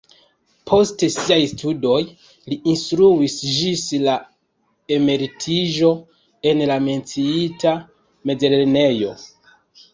Post siaj studoj li instruis ĝis la emeritiĝo en la menciita mezlernejo.